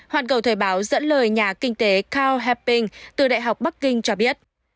hoàn cầu thời báo dẫn lời nhà kinh tế carl hepping từ đại học bắc kinh cho biết